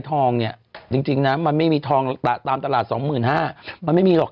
ทองเนี่ยจริงนะมันไม่มีทองตามตลาด๒๕๐๐บาทมันไม่มีหรอก